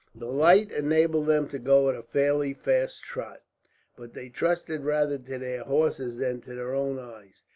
The light enabled them to go at a fairly fast trot, but they trusted rather to their horses' than to their own eyes.